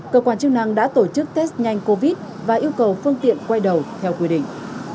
cơ quan chức năng đã tổ chức test nhanh covid và yêu cầu phương tiện quay đầu theo quy định